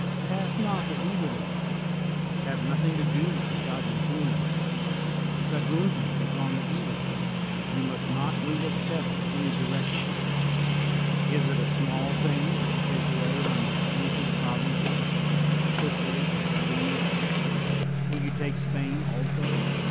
Pass not the Iberusj have 12 HANNIBAL nothing to do with the Saguntines. Saguntum is on file Iberus; you must not move a step in any direction. Is it a small thing that you take away my most ancient provinces — Sicily and Sardinia? Will you take Spain also?